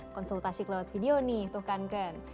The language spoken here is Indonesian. konsultasi kelewat video nih tuh kanken